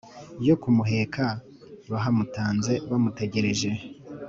yo kumuheka bahamutanze bamutegereje,